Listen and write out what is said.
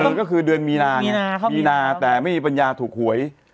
เออก็คือเดือนมีนาไงมีนาเขามีบรรยามีนาแต่ไม่มีบรรยาถูกหวย